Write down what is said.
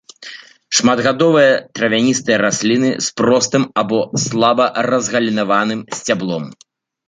Шматгадовыя травяністыя расліны з простым або слаба разгалінаваным сцяблом.